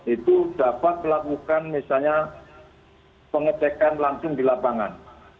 itu dapat melakukan misalnya pengecekan langsung di lapangan